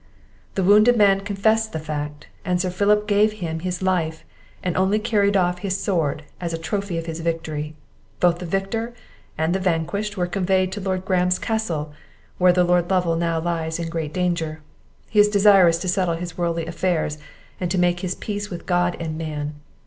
The wounded man confessed the fact; and Sir Philip gave him his life, and only carried off his sword as a trophy of his victory. Both the victor and the vanquished were conveyed to Lord Graham's castle, where the Lord Lovel now lies in great danger. He is desirous to settle his worldly affairs, and to make his peace with God and man.